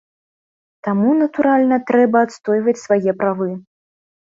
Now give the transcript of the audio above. Таму, натуральна, трэба адстойваць свае правы.